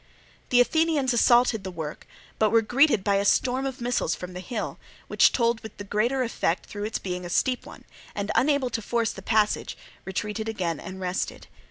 The Athenians assaulted the work, but were greeted by a storm of missiles from the hill, which told with the greater effect through its being a steep one, and unable to force the passage, retreated again and rested.